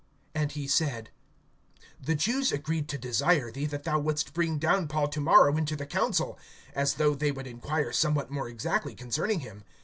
(20)And he said: The Jews agreed to desire thee, that thou wouldst bring down Paul to morrow into the council, as though they would inquire somewhat more exactly concerning him.